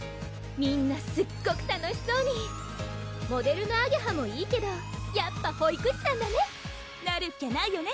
みんなすっごく楽しそうにモデルのあげはもいいけどやっぱ保育士さんだねなるっきゃないよね